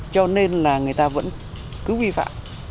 cho nên là người ta vẫn cứ vi phạm